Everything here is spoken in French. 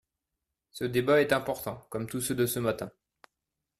Ce débat est important, comme tous ceux de ce matin.